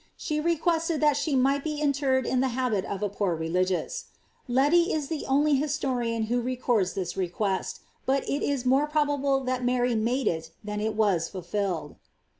She requested that m might be intened in the habit of a poor religieuse. Leti is the only storian who records this request, but it is more probable that Mary ade it than that it was fulfilled.